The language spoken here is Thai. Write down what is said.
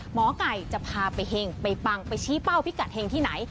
หมอไก่จะพาไปเห็งไปปังไปชี้เป้าพิกัดเฮงที่ไหน